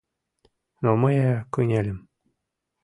Но мые кынельым